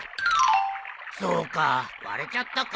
そうか割れちゃったか。